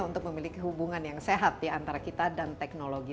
untuk memiliki hubungan yang sehat ya antara kita dan teknologi